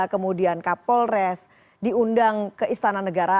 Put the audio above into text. kemudian kapolres diundang ke istana negara